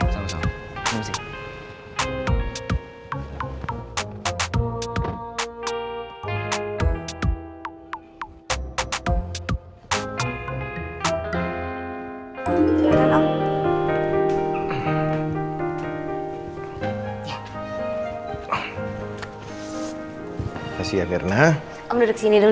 sama sama terima kasih